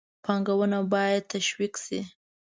پانګونه باید تشویق شي.